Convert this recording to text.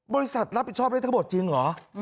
บริษัทรับผิดชอบได้ทั้งหมดจริงหรอ